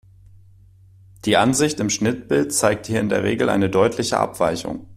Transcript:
Die Ansicht im Schnittbild zeigt hier in der Regel eine deutliche Abweichung.